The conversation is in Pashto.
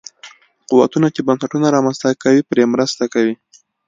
قوتونه چې بنسټونه رامنځته کوي پرې مرسته کوي.